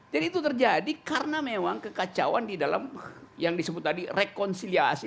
jadi itu terjadi karena memang kekacauan di dalam yang disebut tadi rekonsiliasi